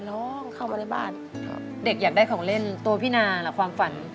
เข้ามาในบ้านเด็กอยากได้ของเล่นตัวพี่นาล่ะความฝัน